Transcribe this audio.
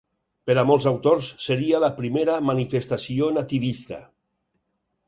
Per a molts autors, seria la primera manifestació nativista.